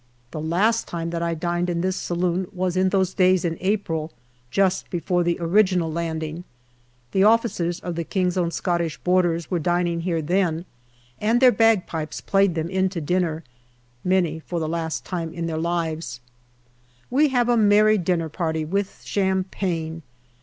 The last time that I dined in this saloon was in those days in April, just before the original landing. The officers of the K.O.S.B.'s were dining here then, and their bagpipes played them in to dinner, many for the last time in their lives. We have a merry dinner party with champagne.